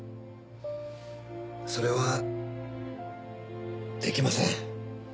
それはできません。